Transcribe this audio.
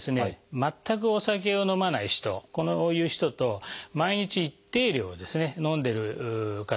全くお酒を飲まない人こういう人と毎日一定量飲んでる方。